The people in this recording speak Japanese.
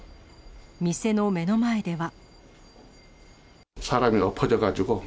店の目の前では。